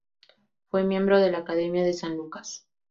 Fue miembro de la Academia de San Lucas.